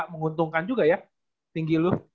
menguntungkan juga ya tinggi lu